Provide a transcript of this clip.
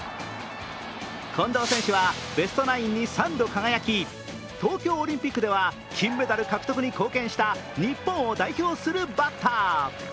近藤選手はベストナインに３度輝き東京オリンピックでは金メダル獲得に貢献した日本を代表するバッター。